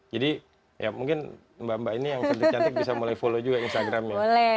jadi ya mungkin mbak mbak ini yang cantik cantik bisa mulai follow juga instagramnya